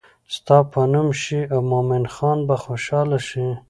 ستا به نوم شي او مومن خان به خوشحاله شي.